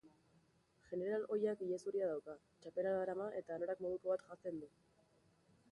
Jeneral ohiak ilezuria dauka, txapela darama eta anorak moduko bat janzten du.